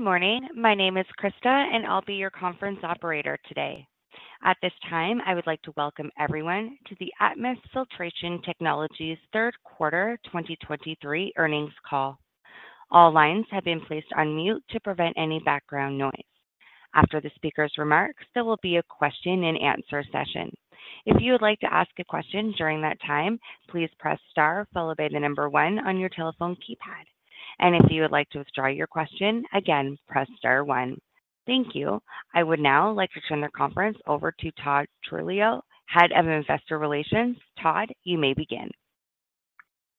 Good morning. My name is Krista, and I'll be your conference operator today. At this time, I would like to welcome everyone to the Atmus Filtration Technologies Third Quarter 2023 Earnings Call. All lines have been placed on mute to prevent any background noise. After the speaker's remarks, there will be a question-and-answer session. If you would like to ask a question during that time, please press star, followed by the number one on your telephone keypad. And if you would like to withdraw your question again, press star one. Thank you. I would now like to turn the conference over to Todd Chirillo, Head of Investor Relations. Todd, you may begin.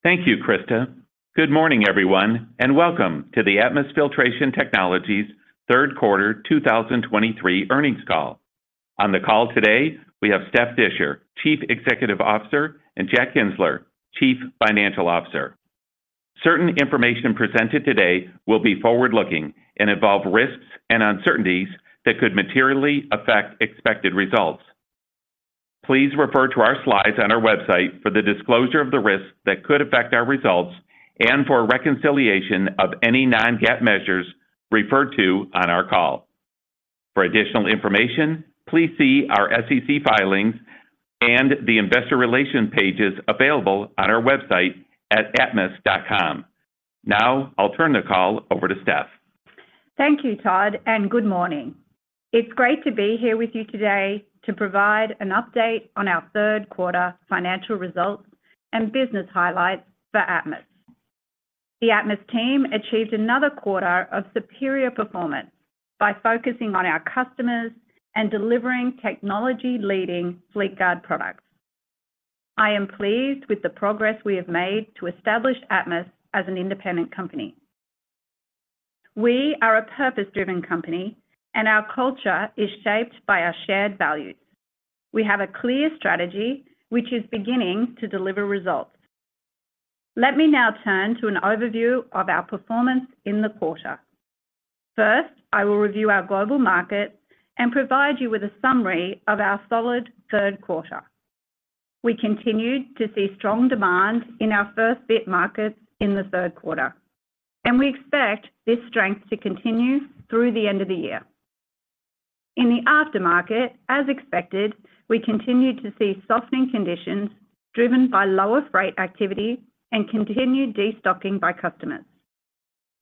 Thank you, Krista. Good morning, everyone, and welcome to the Atmus Filtration Technologies Third Quarter 2023 Earnings Call. On the call today, we have Steph Disher, Chief Executive Officer, and Jack Kienzler, Chief Financial Officer. Certain information presented today will be forward-looking and involve risks and uncertainties that could materially affect expected results. Please refer to our slides on our website for the disclosure of the risks that could affect our results and for a reconciliation of any non-GAAP measures referred to on our call. For additional information, please see our SEC filings and the Investor Relations pages available on our website at atmus.com. Now I'll turn the call over to Steph. Thank you, Todd, and good morning. It's great to be here with you today to provide an update on our third quarter financial results and business highlights for Atmus. The Atmus team achieved another quarter of superior performance by focusing on our customers and delivering technology-leading Fleetguard products. I am pleased with the progress we have made to establish Atmus as an independent company. We are a purpose-driven company and our culture is shaped by our shared values. We have a clear strategy which is beginning to deliver results. Let me now turn to an overview of our performance in the quarter. First, I will review our global market and provide you with a summary of our solid third quarter. We continued to see strong demand in our First Fit markets in the third quarter, and we expect this strength to continue through the end of the year. In the Aftermarket, as expected, we continued to see softening conditions driven by lower freight activity and continued destocking by customers.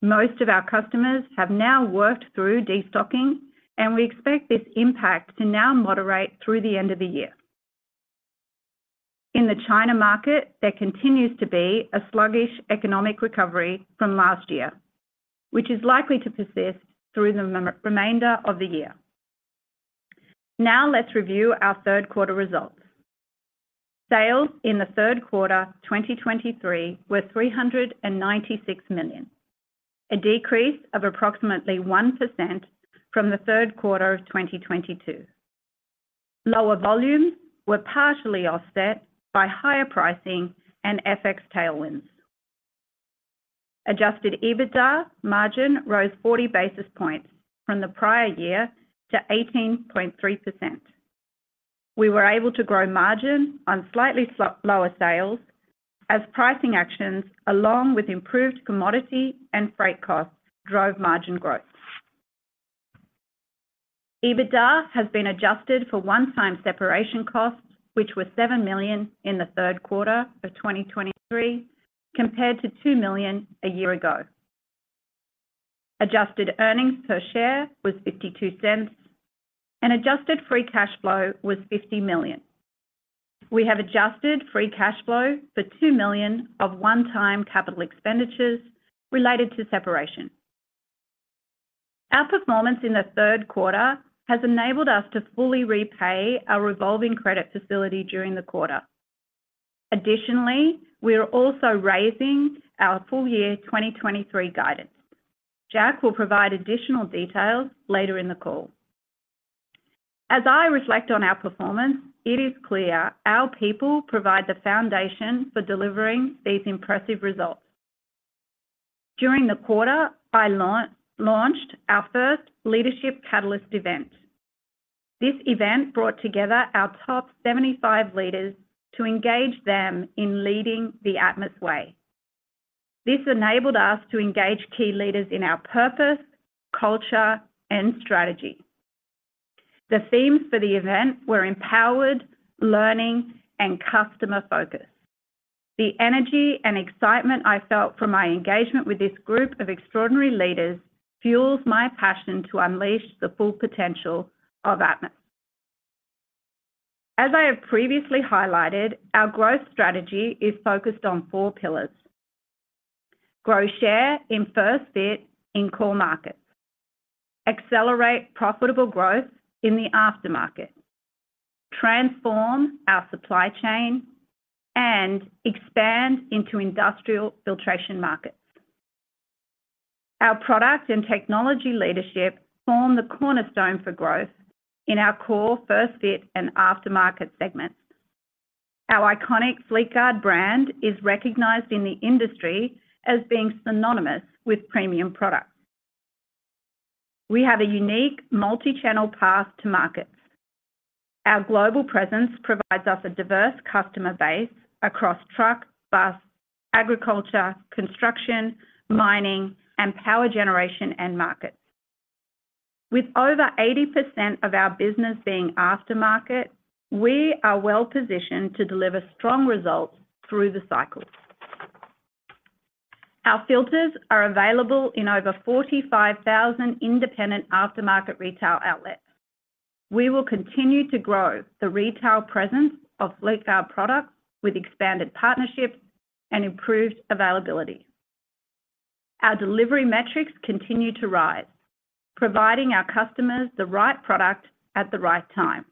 Most of our customers have now worked through destocking, and we expect this impact to now moderate through the end of the year. In the China market, there continues to be a sluggish economic recovery from last year, which is likely to persist through the remainder of the year. Now let's review our third quarter results. Sales in the third quarter, 2023 were $396 million, a decrease of approximately 1% from the third quarter of 2022. Lower volumes were partially offset by higher pricing and FX tailwinds. Adjusted EBITDA margin rose 40 basis points from the prior year to 18.3%. We were able to grow margin on slightly lower sales as pricing actions along with improved commodity and freight costs drove margin growth. EBITDA has been adjusted for one-time separation costs, which were $7 million in the third quarter of 2023, compared to $2 million a year ago. Adjusted earnings per share was $0.52 and adjusted free cash flow was $50 million. We have adjusted free cash flow for $2 million of one-time capital expenditures related to separation. Our performance in the third quarter has enabled us to fully repay our revolving credit facility during the quarter. Additionally, we are also raising our full year 2023 guidance. Jack will provide additional details later in the call. As I reflect on our performance, it is clear our people provide the foundation for delivering these impressive results. During the quarter, I launched our first Leadership Catalyst event. This event brought together our top 75 leaders to engage them in leading the Atmus way. This enabled us to engage key leaders in our purpose, culture, and strategy. The themes for the event were empowered, learning, and customer focus. The energy and excitement I felt from my engagement with this group of extraordinary leaders fuels my passion to unleash the full potential of Atmus. As I have previously highlighted, our growth strategy is focused on four pillars: grow share in First Fit in core markets, accelerate profitable growth in the Aftermarket, transform our supply chain, and expand into industrial filtration markets. Our product and technology leadership form the cornerstone for growth in our core First Fit and Aftermarket segments. Our iconic Fleetguard brand is recognized in the industry as being synonymous with premium products. We have a unique multi-channel path to markets.... Our global presence provides us a diverse customer base across truck, bus, agriculture, construction, mining, and power generation end markets. With over 80% of our business being Aftermarket, we are well positioned to deliver strong results through the cycles. Our filters are available in over 45,000 independent Aftermarket retail outlets. We will continue to grow the retail presence of Fleetguard products with expanded partnerships and improved availability. Our delivery metrics continue to rise, providing our customers the right product at the right time.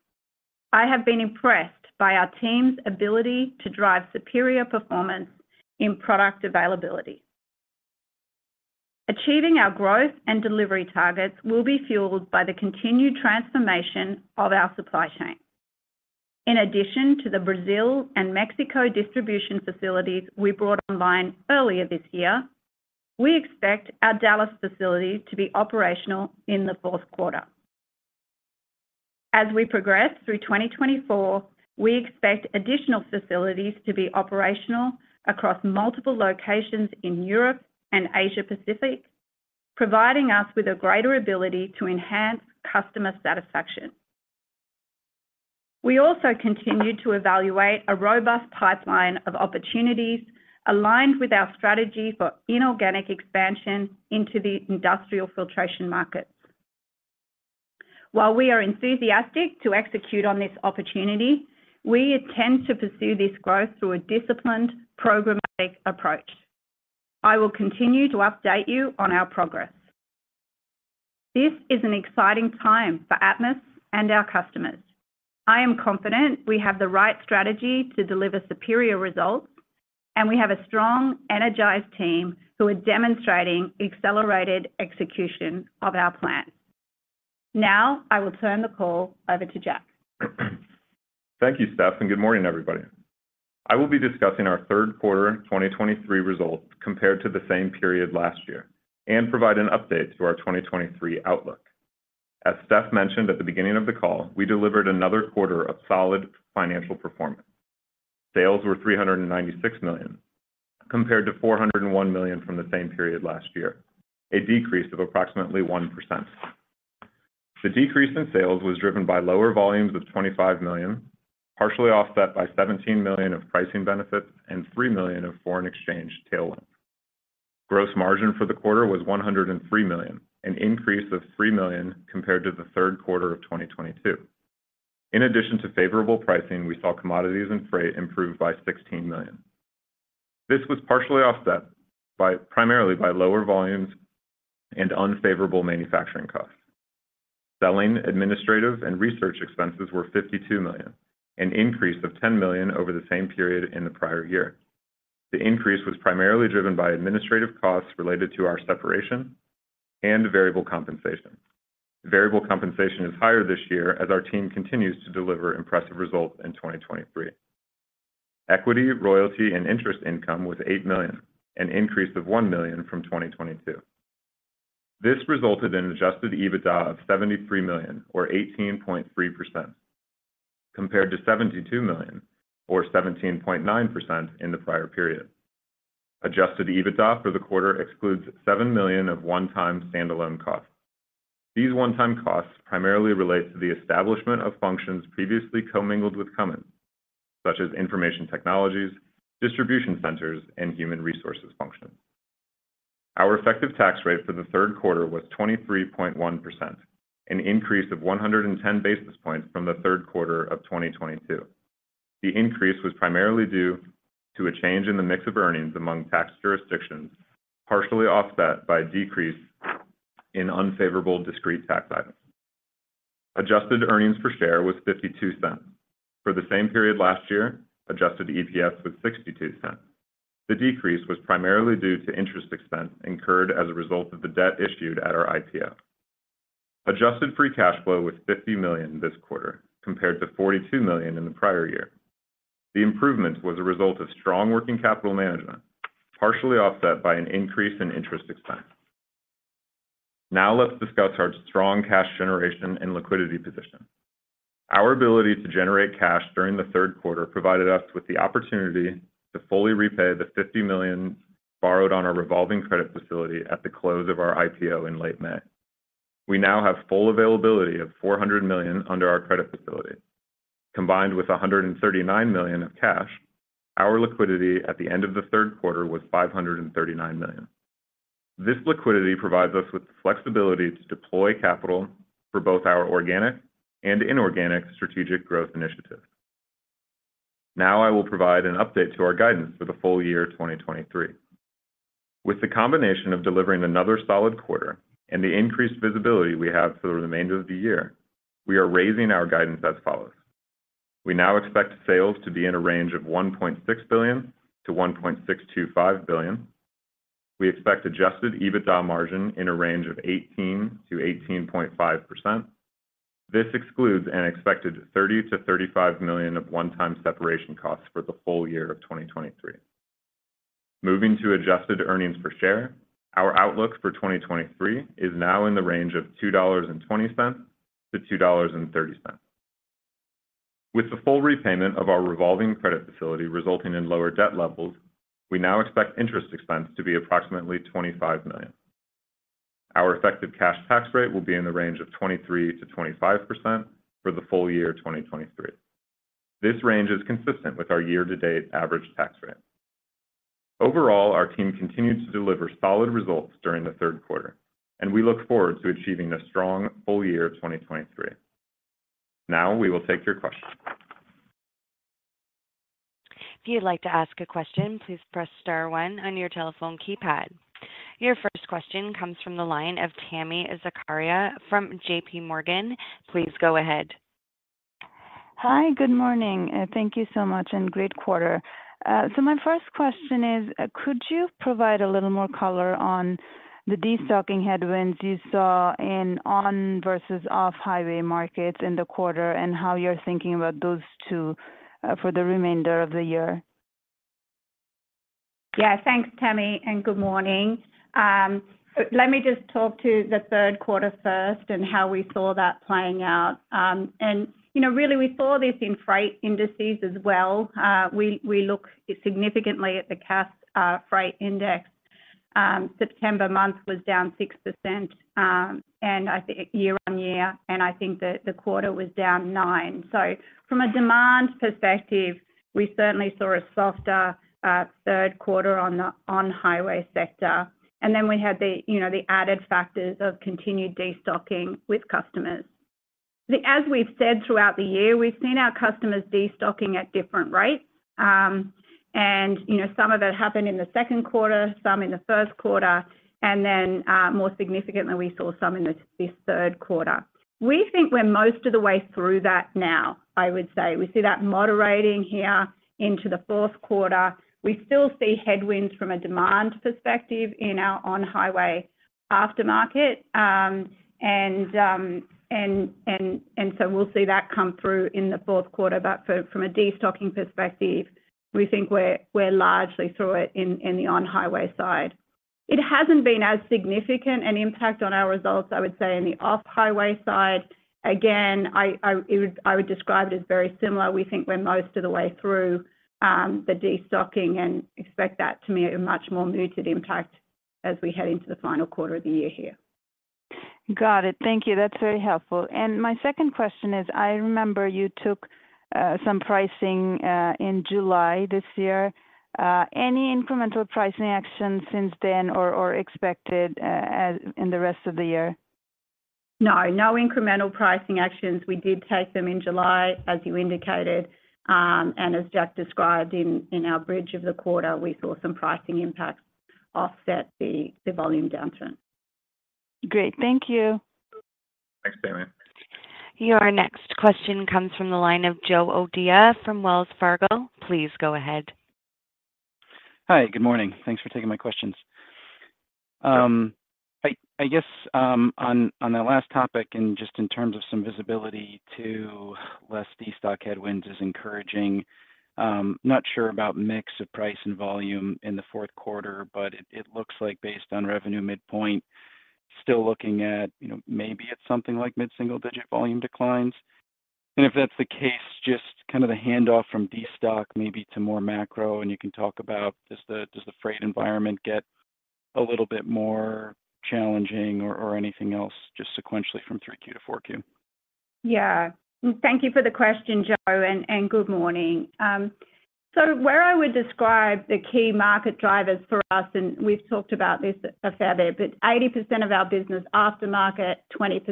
I have been impressed by our team's ability to drive superior performance in product availability. Achieving our growth and delivery targets will be fueled by the continued transformation of our supply chain. In addition to the Brazil and Mexico distribution facilities we brought online earlier this year, we expect our Dallas facility to be operational in the fourth quarter. As we progress through 2024, we expect additional facilities to be operational across multiple locations in Europe and Asia Pacific, providing us with a greater ability to enhance customer satisfaction. We also continue to evaluate a robust pipeline of opportunities aligned with our strategy for inorganic expansion into the industrial filtration markets. While we are enthusiastic to execute on this opportunity, we intend to pursue this growth through a disciplined, programmatic approach. I will continue to update you on our progress. This is an exciting time for Atmus and our customers. I am confident we have the right strategy to deliver superior results, and we have a strong, energized team who are demonstrating accelerated execution of our plan. Now, I will turn the call over to Jack. Thank you, Steph, and good morning, everybody. I will be discussing our third quarter 2023 results compared to the same period last year and provide an update to our 2023 outlook. As Steph mentioned at the beginning of the call, we delivered another quarter of solid financial performance. Sales were $396 million, compared to $401 million from the same period last year, a decrease of approximately 1%. The decrease in sales was driven by lower volumes of $25 million, partially offset by $17 million of pricing benefits and $3 million of foreign exchange tailwind. Gross margin for the quarter was $103 million, an increase of $3 million compared to the third quarter of 2022. In addition to favorable pricing, we saw commodities and freight improve by $16 million. This was partially offset by, primarily by lower volumes and unfavorable manufacturing costs. Selling, administrative, and research expenses were $52 million, an increase of $10 million over the same period in the prior year. The increase was primarily driven by administrative costs related to our separation and variable compensation. Variable compensation is higher this year as our team continues to deliver impressive results in 2023. Equity, royalty, and interest income was $8 million, an increase of $1 million from 2022. This resulted in Adjusted EBITDA of $73 million, or 18.3%, compared to $72 million or 17.9% in the prior period. Adjusted EBITDA for the quarter excludes $7 million of one-time standalone costs. These one-time costs primarily relate to the establishment of functions previously commingled with Cummins, such as information technologies, distribution centers, and human resources functions. Our effective tax rate for the third quarter was 23.1%, an increase of 110 basis points from the third quarter of 2022. The increase was primarily due to a change in the mix of earnings among tax jurisdictions, partially offset by a decrease in unfavorable discrete tax items. Adjusted earnings per share was $0.52. For the same period last year, Adjusted EPS was $0.62. The decrease was primarily due to interest expense incurred as a result of the debt issued at our IPO. Adjusted free cash flow was $50 million this quarter, compared to $42 million in the prior year. The improvement was a result of strong working capital management, partially offset by an increase in interest expense. Now let's discuss our strong cash generation and liquidity position. Our ability to generate cash during the third quarter provided us with the opportunity to fully repay the $50 million borrowed on our revolving credit facility at the close of our IPO in late May. We now have full availability of $400 million under our credit facility. Combined with $139 million of cash, our liquidity at the end of the third quarter was $539 million. This liquidity provides us with the flexibility to deploy capital for both our organic and inorganic strategic growth initiatives. Now I will provide an update to our guidance for the full year 2023. With the combination of delivering another solid quarter and the increased visibility we have for the remainder of the year, we are raising our guidance as follows: We now expect sales to be in a range of $1.6 billion-$1.625 billion. We expect Adjusted EBITDA margin in a range of 18%-18.5%. This excludes an expected $30 million-$35 million of one-time separation costs for the full year of 2023. Moving to adjusted earnings per share, our outlook for 2023 is now in the range of $2.20-$2.30. With the full repayment of our revolving credit facility resulting in lower debt levels, we now expect interest expense to be approximately $25 million. Our effective cash tax rate will be in the range of 23%-25% for the full year 2023. This range is consistent with our year-to-date average tax rate. Overall, our team continued to deliver solid results during the third quarter, and we look forward to achieving a strong full year 2023. Now, we will take your questions. If you'd like to ask a question, please press star one on your telephone keypad. Your first question comes from the line of Tami Zakaria from JPMorgan. Please go ahead. Hi, good morning, and thank you so much, and great quarter. My first question is, could you provide a little more color on the destocking headwinds you saw in On- versus Off-Highway markets in the quarter, and how you're thinking about those two, for the remainder of the year? Yeah. Thanks, Tami, and good morning. Let me just talk to the third quarter first and how we saw that playing out. You know, really, we saw this in freight indices as well. We look significantly at the Cass Freight Index. September month was down 6%, and I think year-on-year, and I think that the quarter was down 9%. So from a demand perspective, we certainly saw a softer third quarter on the on-highway sector, and then we had the, you know, the added factors of continued destocking with customers. As we've said throughout the year, we've seen our customers destocking at different rates. You know, some of it happened in the second quarter, some in the first quarter, and then more significantly, we saw some in this third quarter. We think we're most of the way through that now, I would say. We see that moderating here into the fourth quarter. We still see headwinds from a demand perspective in our on-highway Aftermarket. And so we'll see that come through in the fourth quarter. But from a destocking perspective, we think we're largely through it in the on-highway side. It hasn't been as significant an impact on our results, I would say, in the off-highway side. Again, I would describe it as very similar. We think we're most of the way through the destocking and expect that to be a much more muted impact as we head into the final quarter of the year here. Got it. Thank you. That's very helpful. My second question is, I remember you took some pricing in July this year. Any incremental pricing action since then or expected as in the rest of the year? No. No incremental pricing actions. We did take them in July, as you indicated. And as Jack described in our bridge of the quarter, we saw some pricing impacts offset the volume downturn. Great. Thank you. Thanks, Tami. Your next question comes from the line of Joe O'Dea from Wells Fargo. Please go ahead. Hi, good morning. Thanks for taking my questions. I guess on the last topic, and just in terms of some visibility to less destock headwinds is encouraging. Not sure about mix of price and volume in the fourth quarter, but it looks like based on revenue midpoint, still looking at, you know, maybe at something like mid-single-digit volume declines. And if that's the case, just kind of the handoff from destock maybe to more macro, and you can talk about does the freight environment get a little bit more challenging or anything else just sequentially from 3Q-4Q? Yeah. Thank you for the question, Joe, and good morning. So where I would describe the key market drivers for us, and we've talked about this a fair bit, but 80% of our business Aftermarket, 20%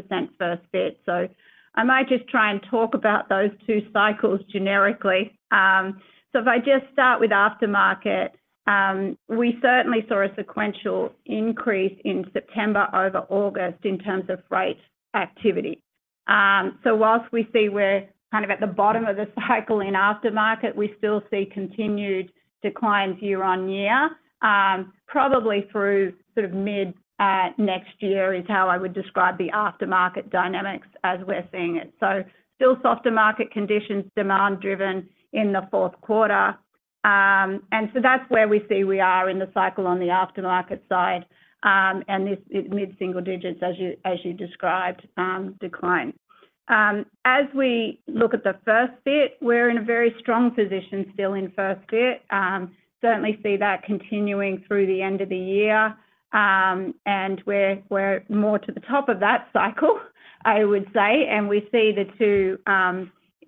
First Fit. So I might just try and talk about those two cycles generically. So if I just start with Aftermarket, we certainly saw a sequential increase in September over August in terms of freight activity. So while we see we're kind of at the bottom of the cycle in Aftermarket, we still see continued declines year-on-year. Probably through sort of mid next year is how I would describe the Aftermarket dynamics as we're seeing it. So still softer market conditions, demand-driven in the fourth quarter. And so that's where we see we are in the cycle on the Aftermarket side, and this is mid-single digits, as you, as you described, decline. As we look at the First Fit, we're in a very strong position still in First Fit. Certainly see that continuing through the end of the year. And we're, we're more to the top of that cycle, I would say, and we see the two,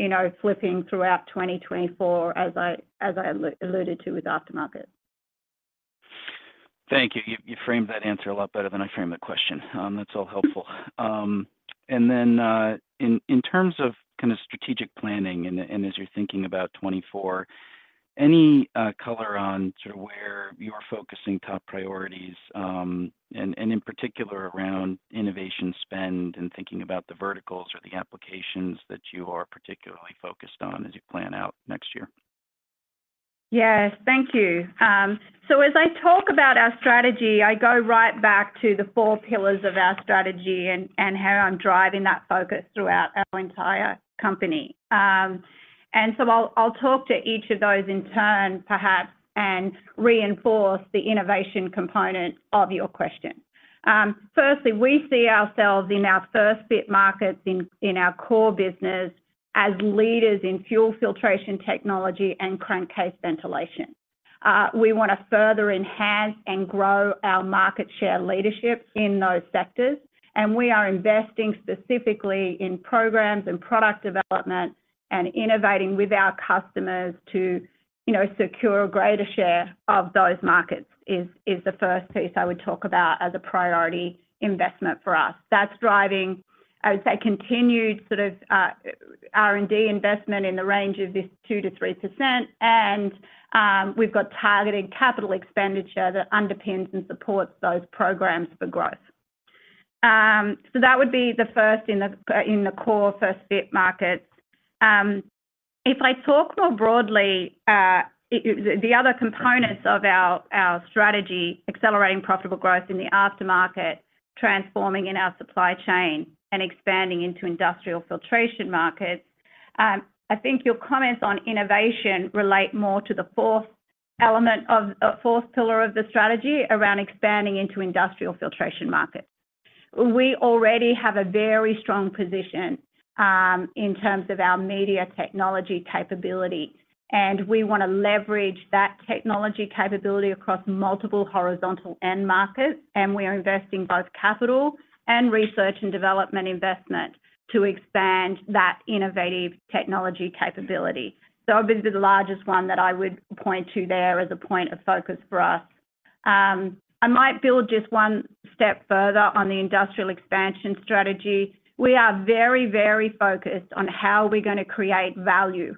you know, flipping throughout 2024, as I, as I alluded to with Aftermarket. Thank you. You framed that answer a lot better than I framed the question. That's all helpful. And then, in terms of kind of strategic planning and as you're thinking about 2024, any color on sort of where you're focusing top priorities, and in particular around innovation spend and thinking about the verticals or the applications that you are particularly focused on as you plan out next year?... Yes, thank you. So as I talk about our strategy, I go right back to the four pillars of our strategy and how I'm driving that focus throughout our entire company. And so I'll talk to each of those in turn, perhaps, and reinforce the innovation component of your question. Firstly, we see ourselves in our First Fit markets in our core business as leaders in fuel filtration technology and crankcase ventilation. We wanna further enhance and grow our market share leadership in those sectors, and we are investing specifically in programs and product development and innovating with our customers to, you know, secure a greater share of those markets, is the first piece I would talk about as a priority investment for us. That's driving, I would say, continued sort of R&D investment in the range of 2%-3%, and we've got targeted capital expenditure that underpins and supports those programs for growth. So that would be the first in the core First Fit markets. If I talk more broadly, it, the other components of our strategy, accelerating profitable growth in the Aftermarket, transforming in our supply chain, and expanding into industrial filtration markets, I think your comments on innovation relate more to the fourth element of the fourth pillar of the strategy around expanding into industrial filtration markets. We already have a very strong position in terms of our media technology capability, and we wanna leverage that technology capability across multiple horizontal end markets, and we are investing both capital and research and development investment to expand that innovative technology capability. So that would be the largest one that I would point to there as a point of focus for us. I might build just one step further on the industrial expansion strategy. We are very, very focused on how we're gonna create value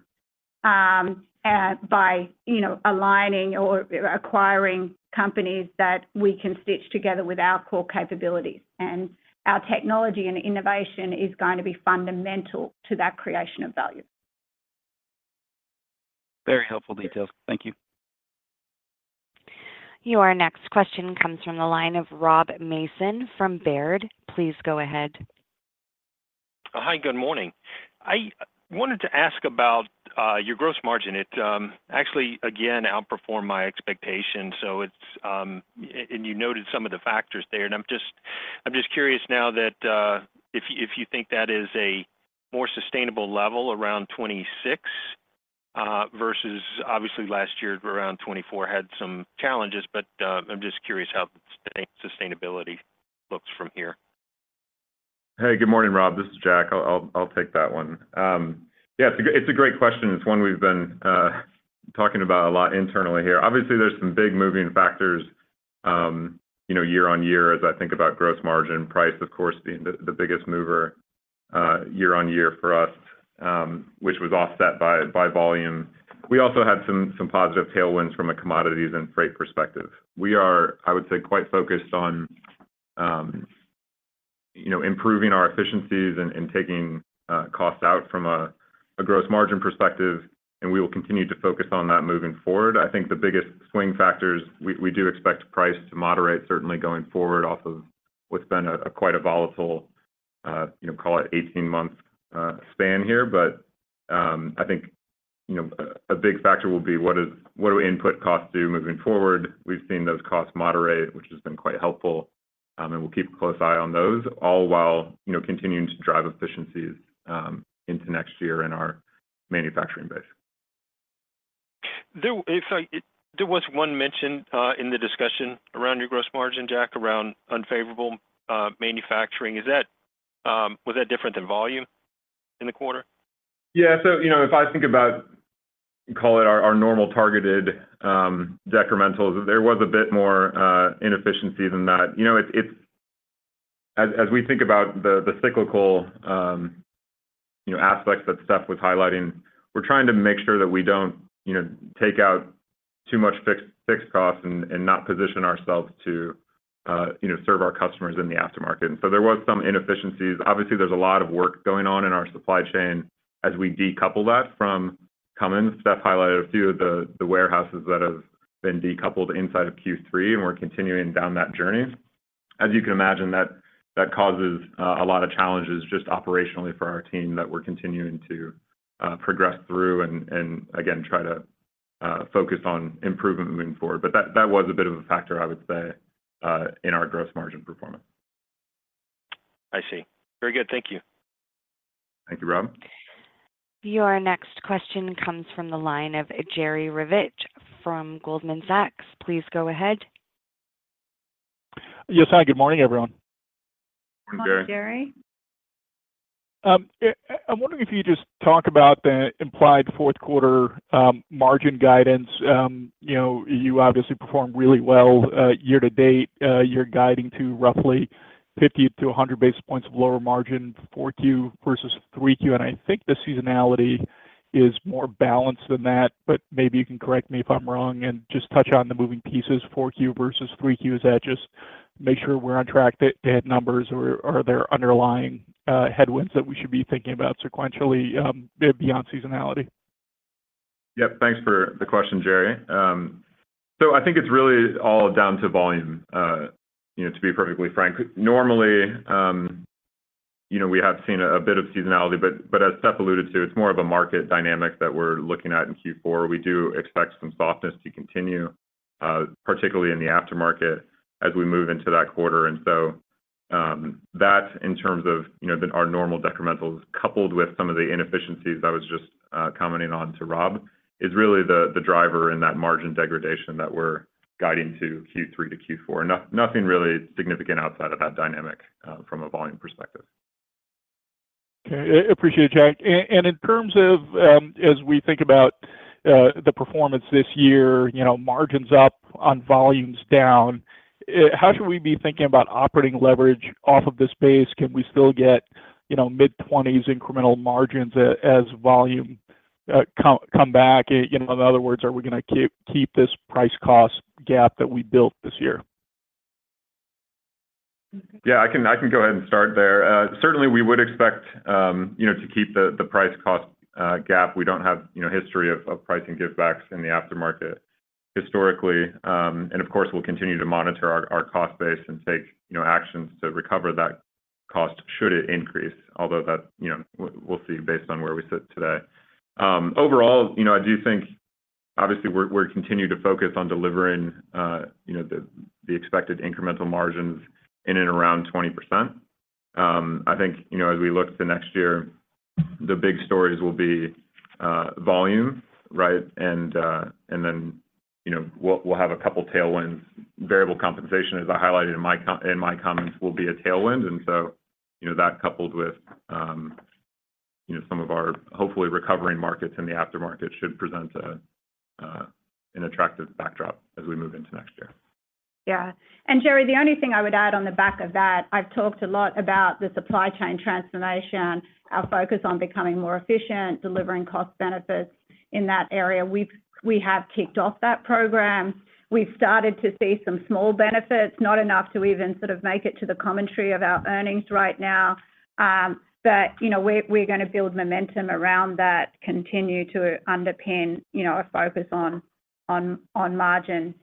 by you know, aligning or acquiring companies that we can stitch together with our core capabilities. And our technology and innovation is going to be fundamental to that creation of value. Very helpful details. Thank you. Your next question comes from the line of Rob Mason from Baird. Please go ahead. Hi, good morning. I wanted to ask about your gross margin. It actually, again, outperformed my expectations, so it's... And you noted some of the factors there, and I'm just, I'm just curious now that if you, if you think that is a more sustainable level around 26% versus obviously last year around 24% had some challenges, but I'm just curious how the sustainability looks from here. Hey, good morning, Rob. This is Jack. I'll take that one. Yeah, it's a great question. It's one we've been talking about a lot internally here. Obviously, there's some big moving factors, you know, year-on-year, as I think about gross margin, price, of course, being the biggest mover, year-on-year for us, which was offset by volume. We also had some positive tailwinds from a commodities and freight perspective. We are, I would say, quite focused on, you know, improving our efficiencies and taking costs out from a gross margin perspective, and we will continue to focus on that moving forward. I think the biggest swing factors, we, we do expect price to moderate, certainly going forward, off of what's been a, quite a volatile, you know, call it 18-month span here. But, I think, you know, a big factor will be what do input costs do moving forward? We've seen those costs moderate, which has been quite helpful, and we'll keep a close eye on those, all while, you know, continuing to drive efficiencies into next year in our manufacturing base. There was one mention in the discussion around your gross margin, Jack, around unfavorable manufacturing. Was that different than volume in the quarter? Yeah. So, you know, if I think about, call it our, our normal targeted decrementals, there was a bit more inefficiency than that. You know, it's, it's as we think about the, the cyclical, you know, aspects that Steph was highlighting, we're trying to make sure that we don't, you know, take out too much fixed, fixed costs and, and not position ourselves to, you know, serve our customers in the Aftermarket. And so there was some inefficiencies. Obviously, there's a lot of work going on in our supply chain as we decouple that from Cummins. Steph highlighted a few of the, the warehouses that have been decoupled inside of Q3, and we're continuing down that journey. As you can imagine, that causes a lot of challenges just operationally for our team that we're continuing to progress through and, again, try to focus on improvement moving forward. But that was a bit of a factor, I would say, in our gross margin performance. I see. Very good. Thank you. Thank you, Rob. Your next question comes from the line of Jerry Revich from Goldman Sachs. Please go ahead. Yes, hi. Good morning, everyone. Hi, Jerry. Hi, Jerry. I'm wondering if you could just talk about the implied fourth quarter margin guidance. You know, you obviously performed really well year-to-date. You're guiding to roughly 50-100 basis points of lower margin, 4Q versus 3Q, and I think the seasonality is more balanced than that, but maybe you can correct me if I'm wrong, and just touch on the moving pieces, 4Q versus 3Q, to make sure we're on track to hit numbers, or are there underlying headwinds that we should be thinking about sequentially beyond seasonality? Yep. Thanks for the question, Jerry. So I think it's really all down to volume, you know, to be perfectly frank. Normally, you know, we have seen a bit of seasonality, but, but as Steph alluded to, it's more of a market dynamic that we're looking at in Q4. We do expect some softness to continue, particularly in the Aftermarket as we move into that quarter. And so, that in terms of, you know, the our normal decrementals, coupled with some of the inefficiencies I was just commenting on to Rob, is really the, the driver in that margin degradation that we're guiding to Q3-Q4. Nothing really significant outside of that dynamic, from a volume perspective. Okay. Appreciate it, Jack. And in terms of, as we think about, the performance this year, you know, margins up on volumes down, how should we be thinking about operating leverage off of this base? Can we still get, you know, mid-20s incremental margins as volume come back? You know, in other words, are we gonna keep this price cost gap that we built this year? Yeah, I can, I can go ahead and start there. Certainly we would expect, you know, to keep the price cost gap. We don't have, you know, history of pricing give backs in the Aftermarket historically. And of course, we'll continue to monitor our cost base and take, you know, actions to recover that cost, should it increase, although that, you know, we'll see based on where we sit today. Overall, you know, I do think obviously we're continuing to focus on delivering, you know, the expected incremental margins in and around 20%. I think, you know, as we look to next year, the big stories will be volume, right? And then, you know, we'll have a couple tailwinds. Variable compensation, as I highlighted in my comments, will be a tailwind, and so, you know, that coupled with, you know, some of our hopefully recovering markets in the Aftermarket, should present an attractive backdrop as we move into next year. Yeah. And Jerry, the only thing I would add on the back of that, I've talked a lot about the supply chain transformation, our focus on becoming more efficient, delivering cost benefits in that area. We have kicked off that program. We've started to see some small benefits, not enough to even sort of make it to the commentary of our earnings right now, but, you know, we're gonna build momentum around that, continue to underpin, you know, a focus on margin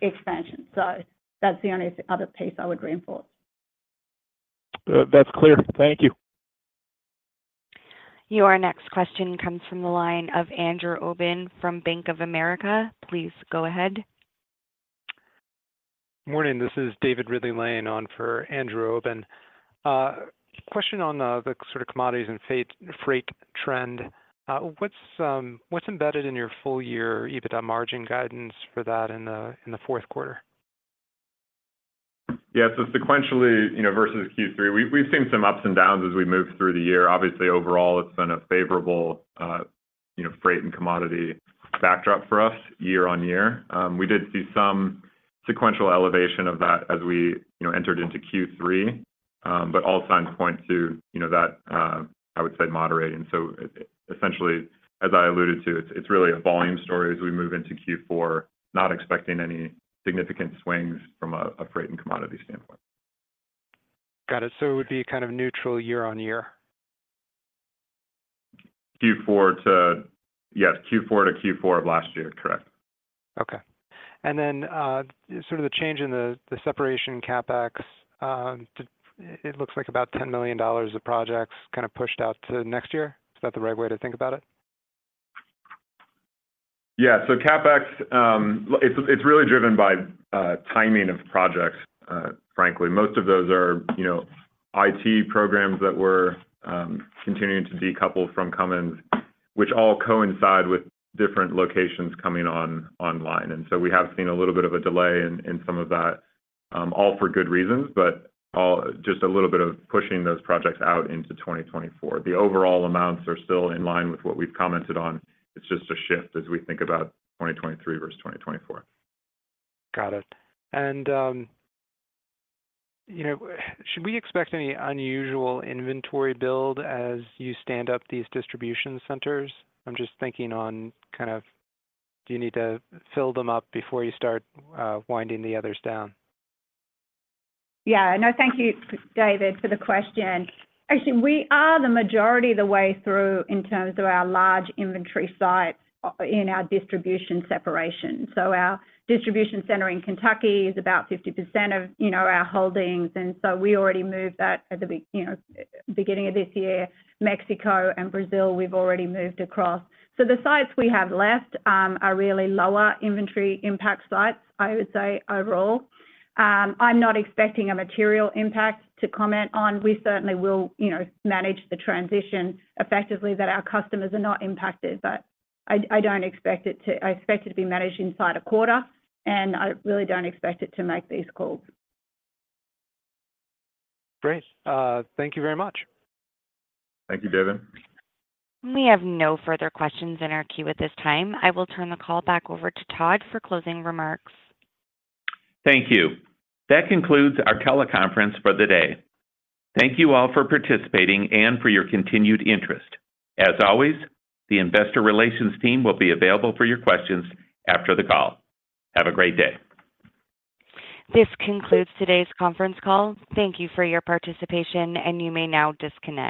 expansion. So that's the only other piece I would reinforce. That's clear. Thank you. Your next question comes from the line of Andrew Obin from Bank of America. Please go ahead. Morning, this is David Ridley-Lane calling in for Andrew Obin. Question on the sort of commodities and freight trend. What's embedded in your full year EBITDA margin guidance for that in the fourth quarter? Yeah. So sequentially, you know, versus Q3, we've seen some ups and downs as we moved through the year. Obviously, overall, it's been a favorable, you know, freight and commodity backdrop for us year-on-year. We did see some sequential elevation of that as we, you know, entered into Q3. But all signs point to, you know, that, I would say, moderating. So essentially, as I alluded to, it's really a volume story as we move into Q4, not expecting any significant swings from a freight and commodity standpoint. Got it. So it would be kind of neutral year-over-year? Q4 to... Yes, Q4-Q4 of last year. Correct. Okay. And then, sort of the change in the, the separation CapEx, it looks like about $10 million of projects pushed out to next year. Is that the right way to think about it? Yeah, so CapEx, it's really driven by timing of projects, frankly. Most of those are, you know, IT programs that we're continuing to decouple from Cummins, which all coincide with different locations coming on online. And so we have seen a little bit of a delay in some of that, all for good reasons, but all just a little bit of pushing those projects out into 2024. The overall amounts are still in line with what we've commented on. It's just a shift as we think about 2023 versus 2024. Got it. And, you know, should we expect any unusual inventory build as you stand up these distribution centers? I'm just thinking on kind of, do you need to fill them up before you start winding the others down? Yeah. No, thank you, David, for the question. Actually, we are the majority of the way through in terms of our large inventory sites in our distribution separation. So our distribution center in Kentucky is about 50% of, you know, our holdings, and so we already moved that at the beginning of this year. Mexico and Brazil, we've already moved across. So the sites we have left are really lower inventory impact sites, I would say, overall. I'm not expecting a material impact to comment on. We certainly will, you know, manage the transition effectively, that our customers are not impacted, but I don't expect it to-- I expect it to be managed inside a quarter, and I really don't expect it to make these calls. Great. Thank you very much. Thank you, David. We have no further questions in our queue at this time. I will turn the call back over to Todd for closing remarks. Thank you. That concludes our teleconference for the day. Thank you all for participating and for your continued interest. As always, the Investor Relations team will be available for your questions after the call. Have a great day. This concludes today's conference call. Thank you for your participation, and you may now disconnect.